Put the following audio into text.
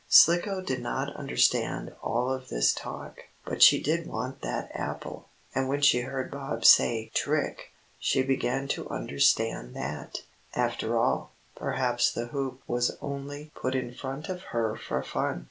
Slicko did not understand all of this talk, but she did want that apple, and when she heard Bob say "trick," she began to understand that, after all, perhaps the hoop was only put in front of her for fun.